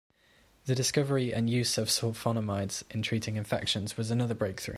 The discovery and use of sulfonamides in treating infections was another breakthrough.